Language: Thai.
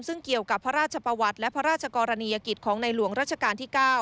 ซึ่งเกี่ยวกับพระราชประวัติและพระราชกรณียกิจของในหลวงรัชกาลที่๙